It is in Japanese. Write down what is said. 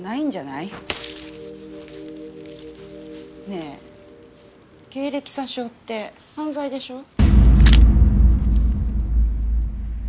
ねえ経歴詐称って犯罪でしょう？